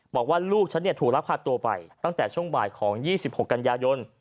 บอกว่าลูกฉันถูกรักพาตัวไปตั้งแต่ช่วงบ่ายของ๒๖กันยายน